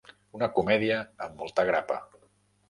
Una comèdia amb molta grapa.